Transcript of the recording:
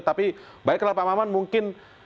tapi baiklah pak maman mungkin